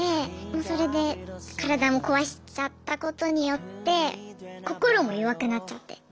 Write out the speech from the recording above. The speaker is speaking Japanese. それで体も壊しちゃったことによって心も弱くなっちゃって。